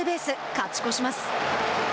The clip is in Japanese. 勝ち越します。